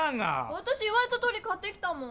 わたし言われたとおり買ってきたもん！